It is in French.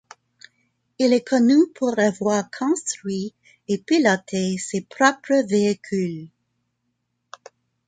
Il est connu pour avoir construit et piloté ses propres véhicules.